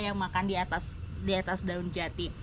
yang makan di atas daun jati